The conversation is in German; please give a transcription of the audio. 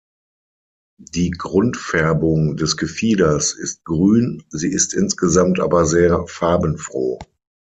Die Grundfärbung des Gefieders ist grün, sie ist insgesamt aber sehr farbenfroh.